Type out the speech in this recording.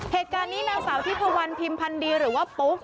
เหตุการณ์นี้นางสาวทิพวันพิมพันธ์ดีหรือว่าปุ๊ก